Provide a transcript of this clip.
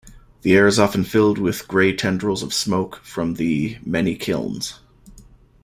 The air is often filled with gray tendrils of smoke from the many kilns.